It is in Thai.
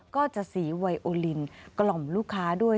ก็จะสีไวโอลินกล่อมลูกค้าด้วย